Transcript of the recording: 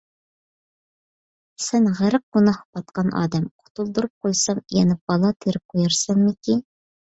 سەن غەرق گۇناھقا پاتقان ئادەم، قۇتۇلدۇرۇپ قويسام، يەنە بالا تېرىپ قويارسەنمىكىن؟